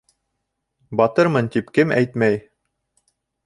Батырмын, тип кем әйтмәй